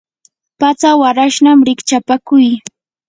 patsa warashnam rikchapakuy.